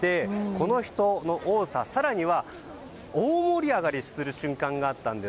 この人の多さ、更に大盛り上がる瞬間があったんです。